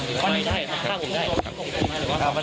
ไม่ทันครับหมดเวลาแล้ว